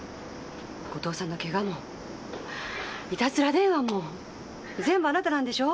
後藤さんのケガもいたずら電話も全部あなたなんでしょ？